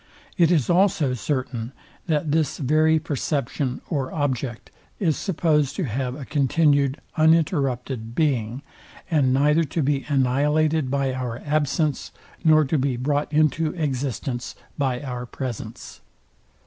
It is also certain, that this very perception or object is supposed to have a continued uninterrupted being, and neither to be annihilated by our absence, nor to be brought into existence by our presence.